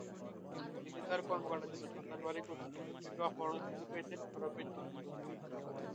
তিনি তার কর্মকাণ্ডের জন্য সন্ত্রাসবাদী গোষ্ঠীর নিকট থেকে অপহরণের হুমকি পেয়েছেন, আরো পেয়েছেন মৃত্যুর হুমকি।